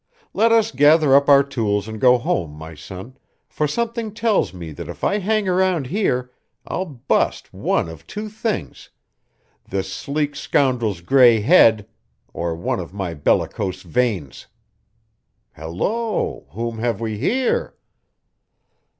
Let us gather up our tools and go home, my son, for something tells me that if I hang around here I'll bust one of two things this sleek scoundrel's gray head or one of my bellicose veins! Hello! Whom have we here?"